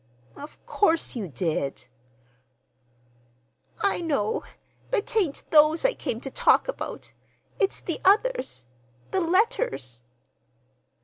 "Of course you did!" "I know; but 'tain't those I came to talk about. It's the others—the letters."